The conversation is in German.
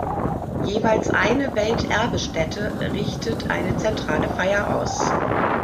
Jeweils eine Welterbestätte richtet eine zentrale Feier aus.